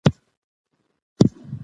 د ټولنې مسؤلين مکلف دي سالمه غذا ورکړي.